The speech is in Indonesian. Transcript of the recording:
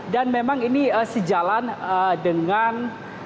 dan memang ini sejalan dengan